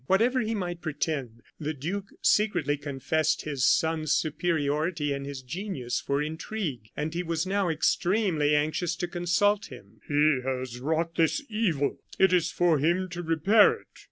Whatever he might pretend, the duke secretly confessed his son's superiority and his genius for intrigue, and he was now extremely anxious to consult him. "He has wrought this evil; it is for him to repair it!